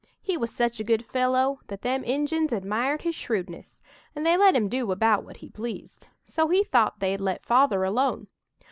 He was such a good fellow that them Injuns admired his shrewdness, and they let him do about what he pleased. So he thought they'd let Father alone.